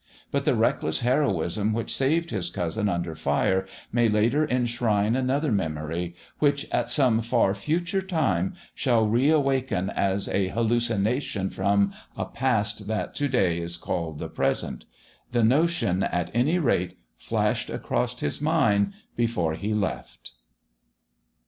But the reckless heroism which saved his cousin under fire may later enshrine another memory which, at some far future time, shall reawaken as a "hallucination" from a Past that to day is called the Present.... The notion, at any rate, flashed across his mind before he "left."